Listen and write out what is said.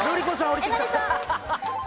降りてきた？